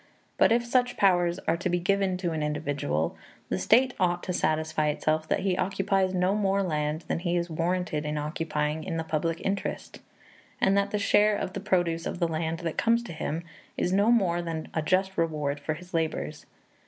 But if such powers are to be given to an individual, the state ought to satisfy itself that he occupies no more land than he is warranted in occupying in the public interest, and that the share of the produce of the land that comes to him is no more than a just reward for his labors.